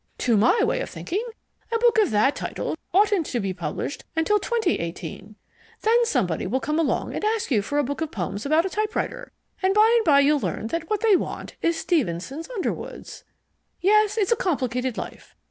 To my way of thinking a book of that title oughtn't to be published until 2018. Then somebody will come along and ask you for a book of poems about a typewriter, and by and by you'll learn that what they want is Stevenson's Underwoods. Yes, it's a complicated life.